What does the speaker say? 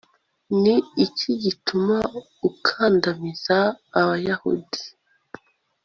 ni iki gituma ukandamiza abayahudi